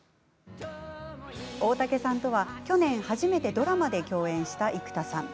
大竹さんとは去年、初めてドラマで共演した生田さん。